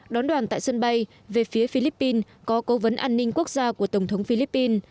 đón đoàn tại sân bay về phía philippines có cố vấn an ninh quốc gia của tổng thống philippines